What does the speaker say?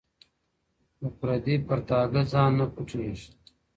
¬ په پردي پرتاگه ځان نه پټېږي.